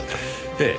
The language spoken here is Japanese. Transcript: ええ。